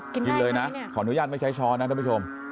กินได้ไหมเนี่ยขออนุญาตไม่ใช้ช้อนนะท่านผู้ชม